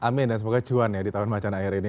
amin dan semoga cuan ya di tahun macan air ini